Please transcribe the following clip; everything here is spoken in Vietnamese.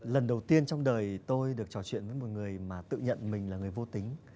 lần đầu tiên trong đời tôi được trò chuyện với một người mà tự nhận mình là người vô tính